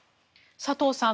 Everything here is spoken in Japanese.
佐藤さん